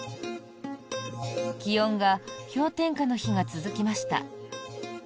気温が氷点下の日が続きました。